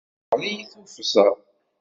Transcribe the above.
Tewɛeṛ-iyi tuffẓa.